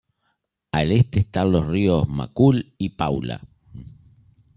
Al este están los ríos Macul y Pula.